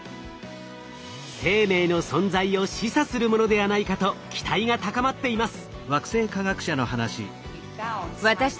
生命の存在を示唆するものではないかと期待が高まっています。